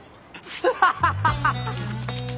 ハハハハ！